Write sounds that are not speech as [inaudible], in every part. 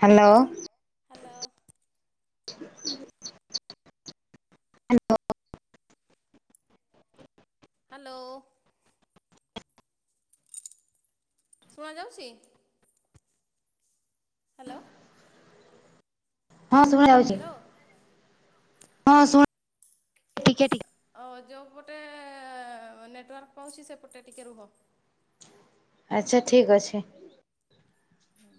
Hello. Hello. Hello. Hello. ଶୁଣାଯାଉଛି। Hello. ହଁ ଶୁଣା ଯାଉଛି। ହ୍ୟାଲୋ ହଁ ଶୁଣ ଟିକେ ଟିକେ। ହଉ ଯେଉଁ ପଟେ ନେଟୱାର୍କ ପାଉଛି ସେପଟେ ଟିକିଏ ରୁହ। ଆଚ୍ଛା ଠିକ ଅଛି ହୁଁ।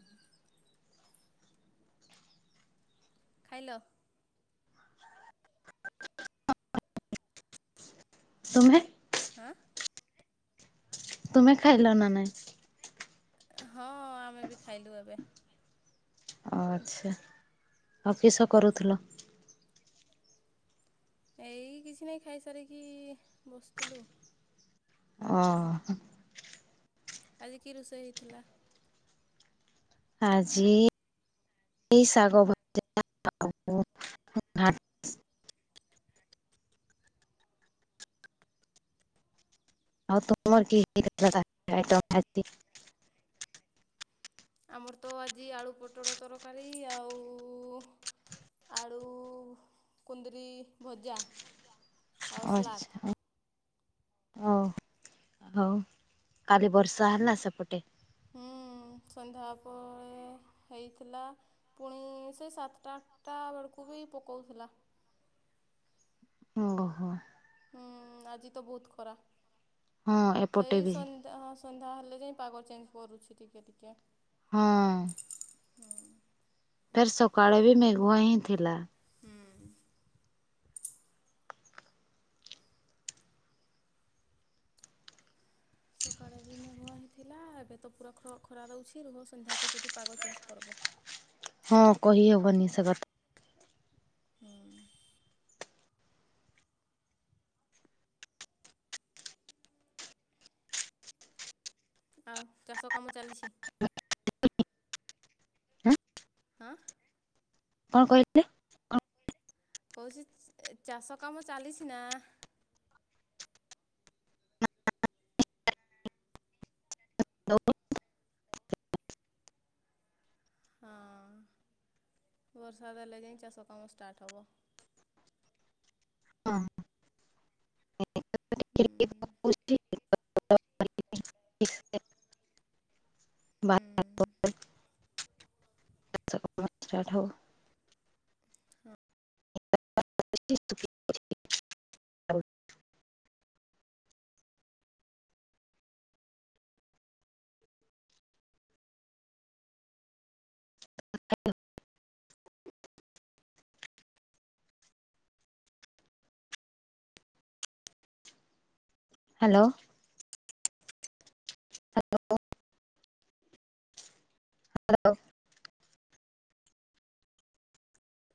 ଖାଇଲ। ତୁମେ? ହାଁ। ତୁମେ ଖାଇଲ ନା ନାଇଁ। ହଁ ଆମେ ବି ଖାଇଲୁ ଏବେ। ଓ ଆଚ୍ଛା ଆଉ କିସ କରୁଥିଲ? ଏଇ କିଛି ନାହିଁ ଖାଇସାରିକି ବସିଥିଲୁ। ଓ ହୋ। ଆଜି କି ରୋଷେଇ ହେଇଥିଲା? ଆଜି ଏଇ ଶାଗ ଭଜା ଆଉ। ଆଉ ତମର କିଏ କିଏ କେତେଟା। [unintelligible] ଆମର ତ ଆଜି ଆଳୁ ପୋଟଳ ତରକାରୀ ଆଉ ଆଳୁ କୁନ୍ଦୁରି ଭଜା। ଆଉ ସ୍ଲାଟ୍। ଆଚ୍ଛା। ହଉ ହଉ କାଲି ବର୍ଷା ହେଲା ସେପଟେ? ହୁଁ ସନ୍ଧ୍ୟା ହବ ହେଇଥିଲା। ପୁଣି ସେ ସାତଟା ଆଠଟା ବେଳକୁ ବି ପକଉଥିଲା। ଓହୋ। ହୁଁ ଆଜି ତ ବହୁତ ଖରା। ହଁ ଏପଟେ ସେଇ ବି। ସନ୍ ତ ହଁ ସନ୍ଧ୍ୟା ହେଲେ ଯାଇଁ ପାଗ ଚେଞ୍ଜ କରୁଚି ଟିକେ ଟିକେ। ହଁ। ହୁଁ। ଫେର୍ ସକାଳେ ବି ମେଘୁଆ ହିଁ ଥିଲା। ହୁଁ। ସକାଳେ ବି ମେଘୁଆ ହେଇଥିଲା। ଏବେ ତ ପୁରା ଖ ଖରା ଦେଉଛି ରୁହ ସନ୍ଧ୍ୟାକୁ ଯଦି ପାଗ ଚେଞ୍ଜ କରିବ। ହଁ କହିହବନି ସେ କଥା। ହୁଁ। ଆଉ ଚାଷ କାମ ଚାଲିଛି? [unintelligible] କଣ କହିଲେ? କହୁଚି ଚାଷ କାମ ଚାଲିଚି ନା? ହଁ। ବର୍ଷା ଦେଲେ ଯାଇଁ ଚାଷ କାମ ଷ୍ଟାର୍ଟ ହବ। ହୁଁ [unintelligible] ହୁଁ। [unintelligible] [unintelligible] ହ୍ୟାଲୋ। ହ୍ୟାଲୋ। ହ୍ୟାଲୋ